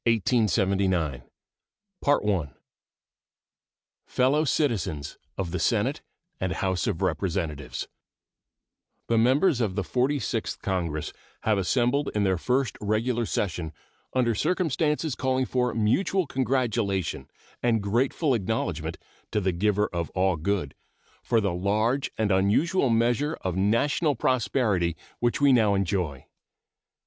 HAYES State of the Union Address Rutherford B. Hayes December 1, 1879 Fellow Citizens of the Senate and House of Representatives: The members of the Forty sixth Congress have assembled in their first regular session under circumstances calling for mutual congratulation and grateful acknowledgment to the Giver of All Good for the large and unusual measure of national prosperity which we now enjoy.